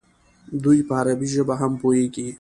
دوی په عربي ژبه هم پوهېږي.